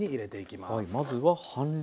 まずは半量。